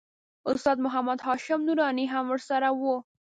استاد محمد هاشم نوراني هم ورسره و.